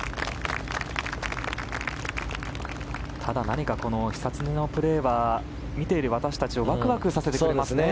ただ、久常のプレーは見ている私たちをワクワクさせてくれましね。